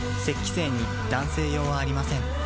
精に男性用はありません